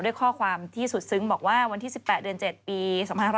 ด้วยข้อความที่สุดซึ้งบอกว่าวันที่๑๘เดือน๗ปี๒๕๖๐